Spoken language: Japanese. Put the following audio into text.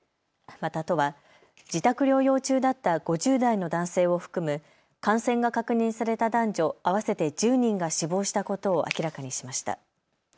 また都は自宅療養中だった５０代の男性を含む感染が確認された男女合わせて１０人が死亡したことを明らかにしました。